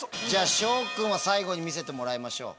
紫耀君は最後に見せてもらいましょう。